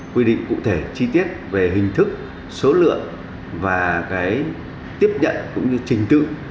quy định cụ thể chi tiết về hình thức số lượng và tiếp nhận cũng như trình tự